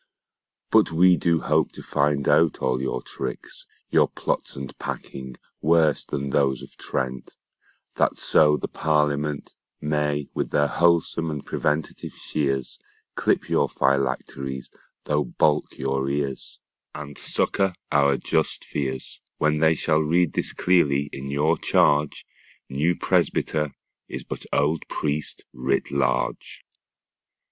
But we do hope to find out all your tricks, Your plots and packing, worse than those of Trent, That so the Parliament May with their wholesome and preventative shears Clip your phylacteries, though baulk your ears, And succor our just fears, When they shall read this clearly in your charge: New Presbyter is but old Priest writ large.